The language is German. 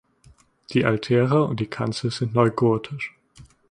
Die Altäre und die Kanzel sind neugotisch.